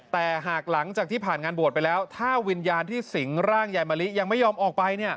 แต่หากหลังจากที่ผ่านงานบวชไปแล้วถ้าวิญญาณที่สิงร่างยายมะลิยังไม่ยอมออกไป